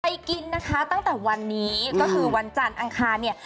กินนะคะตั้งแต่วันนี้ก็คือวันจันทร์อังคารเนี่ย